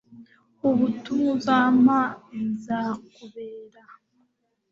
ubutumwa uzampa, nzakubera